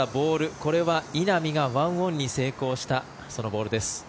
これは稲見が１オンに成功したそのボールです。